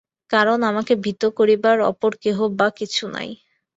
কারণ আমাকে ভীত করিবার অপর কেহ বা কিছু নাই।